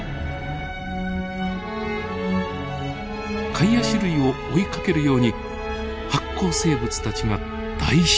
カイアシ類を追いかけるように発光生物たちが大集結。